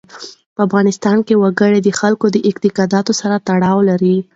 په افغانستان کې وګړي د خلکو د اعتقاداتو سره تړاو لري.